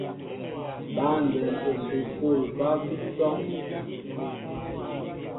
Băndɛm esukul ba bi tɔŋ.